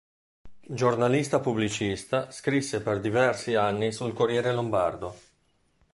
Giornalista pubblicista, scrisse per diversi anni sul Corriere Lombardo.